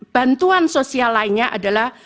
bantuan sosial lainnya adalah